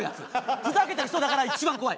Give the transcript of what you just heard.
ふざけてる人だから一番怖い。